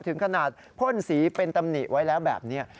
ถึงขนาดพ่นสีเป็นตำหนิไว้แล้วแบบนี้